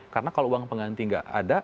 karena kalau uang pengganti nggak ada